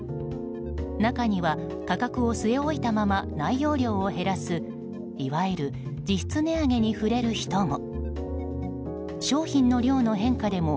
中には、価格を据え置いたまま内容量を減らすいわゆる実質値上げに触れる人も。